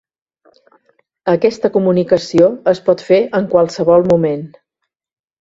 Aquesta comunicació es pot fer en qualsevol moment.